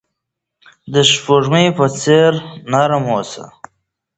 د سپوږمۍ په څیر نرم اوسئ.